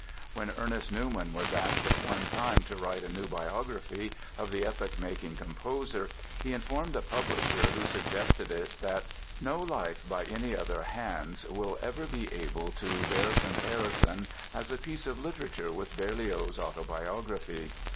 When Ernest Newman was asked at one time to write a new biography of the epoch making composer he informed the publisher who suggested it that "no Life by any other hands will ever be able to bear comparison as a piece of literature with Berlioz' Autobiography.